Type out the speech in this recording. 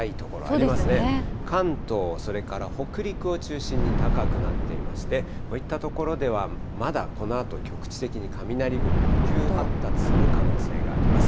関東、それから北陸を中心に高くなっていまして、こういった所ではまだこのあと局地的に雷雲が急発達する可能性があります。